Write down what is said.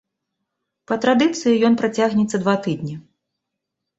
Па традыцыі ён працягнецца два тыдні.